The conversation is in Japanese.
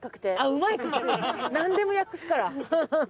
何でも略すから。